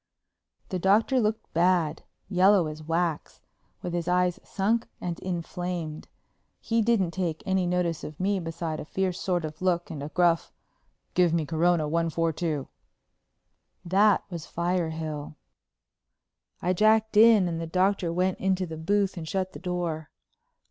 The Doctor looked bad, yellow as wax, with his eyes sunk and inflamed. He didn't take any notice of me beside a fierce sort of look and a gruff, "Give me Corona 1 4 2." That was Firehill. I jacked in and the Doctor went into the booth and shut the door.